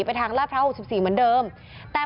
กระทั่งตำรวจก็มาด้วยนะคะ